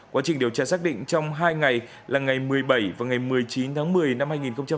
quá trình điều tra xác định trong hai ngày là ngày một mươi bảy và ngày một mươi chín tháng một mươi năm hai nghìn một mươi chín